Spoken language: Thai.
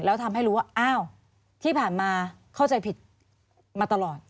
แล้วทำให้รู้ว่าอ้าวที่ผ่านมาเข้าใจผิดมาตลอด